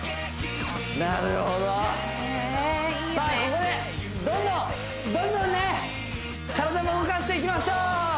ここでどんどんどんどんね体も動かしていきましょう！